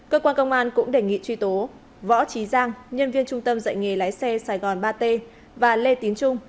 cơ quan công an cũng đề nghị truy tố võ trí giang nhân viên trung tâm dạy nghề lái xe sài gòn ba t và lê tín trung